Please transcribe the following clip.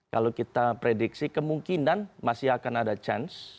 kalau kita prediksi kemungkinan masih akan ada chance